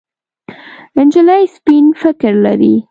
نجلۍ سپين فکر لري.